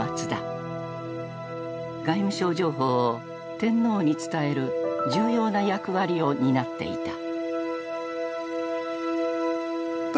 外務省情報を天皇に伝える重要な役割を担っていた。